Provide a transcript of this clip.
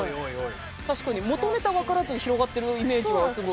確かに元ネタ分からずに広がってるイメージがすごい。